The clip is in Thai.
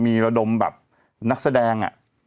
มีลดมแบบนักแสดงอ่ะ